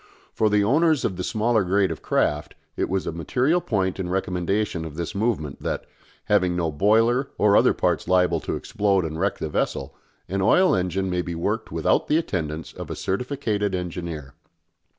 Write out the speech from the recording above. For the owners of the smaller grade of craft it was a material point in recommendation of this movement that, having no boiler or other parts liable to explode and wreck the vessel, an oil engine may be worked without the attendance of a certificated engineer.